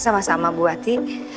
sama sama bu ati